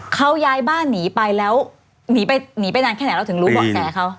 เขาย้ายบ้านหนีไปแล้วหนีไปนานแค่ไหนเราถึงรู้เบาะแสเขา